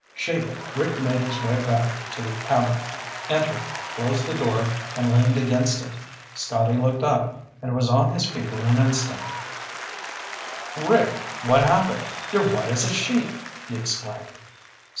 Shaken, Rick made his way back to the cabin, entered, closed the door, and leaned against it. Scotty looked up, and was on his feet in an instant. [Illustration (2 page 29 and 30)] "Rick! What happened? You're white as a sheet!" he exclaimed.